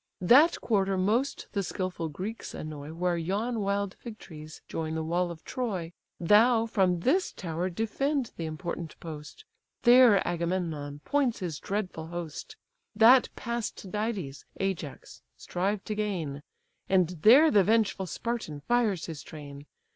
That quarter most the skilful Greeks annoy, Where yon wild fig trees join the wall of Troy; Thou, from this tower defend the important post; There Agamemnon points his dreadful host, That pass Tydides, Ajax, strive to gain, And there the vengeful Spartan fires his train.